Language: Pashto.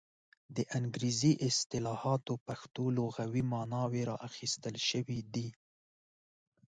د انګریزي اصطلاحاتو پښتو لغوي ماناوې را اخیستل شوې دي.